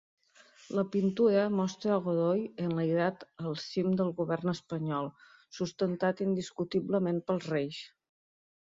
La pintura mostra a Godoy enlairat al cim del govern espanyol, sustentat indiscutiblement pels reis.